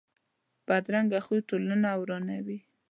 بدرنګه خوی ټولنه ورانوي